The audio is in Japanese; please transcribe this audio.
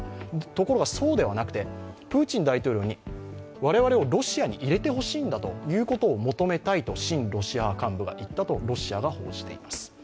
ところがそうではなくてプーチン大統領に我々をロシアに入れてほしいんだいうことを親ロシア派幹部が言ったとロシアが言っています。